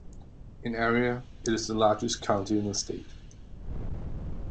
In area, it is the largest county in the state.